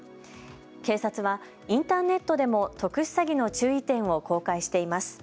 警察は、インターネットでも特殊詐欺の注意点を公開しています。